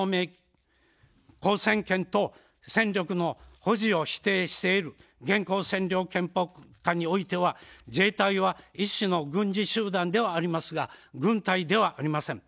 交戦権と戦力の保持を否定している現行占領憲法下においては自衛隊は一種の軍事集団ではありますが軍隊ではありません。